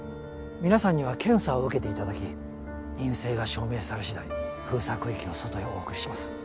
皆さんには検査を受けていただき陰性が証明され次第封鎖区域の外へお送りします。